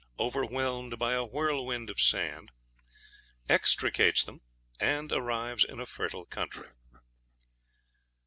overwhelmed by a whirlwind of sand Extricates them, and arrives in a fertile country.